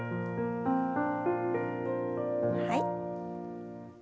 はい。